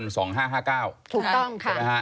ถูกต้องค่ะ